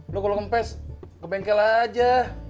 lo kalo ke mpes ke bengkel aja